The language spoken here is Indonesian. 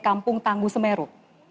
kampung tangguh semeru